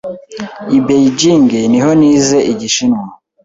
I Beijing niho nize Igishinwa.